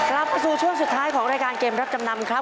กลับมาสู่ช่วงสุดท้ายของรายการเกมรับจำนำครับ